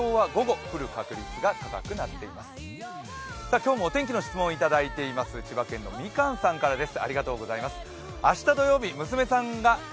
今日もお天気の質問をいただいています、千葉県のみかんさんからです。